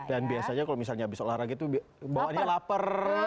dan biasanya kalau misalnya habis olahraga tuh bawaannya lapar